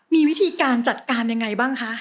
มีวิธีการจัดการยังไงบ้างคะ